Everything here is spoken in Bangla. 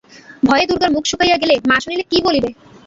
ভয়ে দুর্গার মুখ শুকাইয়া গেল-মা শুনিলে কি বলিবে!